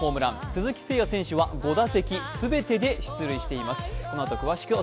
鈴木誠也選手は５打席全てで出塁しています。